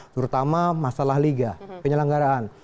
terutama masalah liga penyelenggaraan